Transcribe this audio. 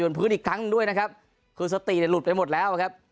บนพื้นอีกครั้งด้วยนะครับคือสตีหลุดไปหมดแล้วครับ